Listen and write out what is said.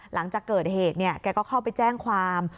หลังจากเกิดเหตุแกก็เข้าไปแจ้งความ